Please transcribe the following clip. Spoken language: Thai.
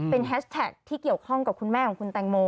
เป็นแฮชแท็กที่เกี่ยวข้องกับคุณแม่ของคุณแตงโม